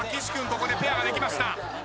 ここでペアができました。